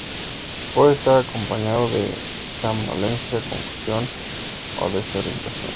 Puede estar acompañado de somnolencia, confusión o desorientación.